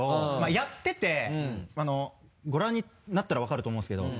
やっててご覧になったら分かると思うんですけど。